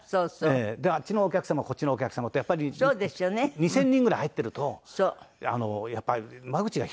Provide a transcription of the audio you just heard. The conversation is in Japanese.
あっちのお客様こっちのお客様ってやっぱり２０００人ぐらい入ってるとやっぱり間口が広いですから。